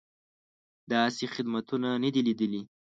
داسې خدمتونه نه دي لیدلي.